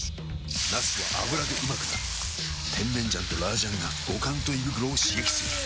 なすは油でうまくなる甜麺醤と辣醤が五感と胃袋を刺激する！